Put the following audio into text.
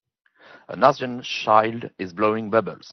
An Asian child is blowing bubbles